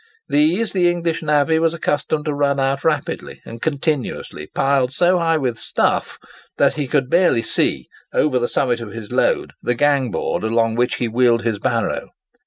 These the English navvy was accustomed to run out rapidly and continuously, piled so high with "stuff" that he could barely see over the summit of his load, the gang board along which he wheeled his barrow.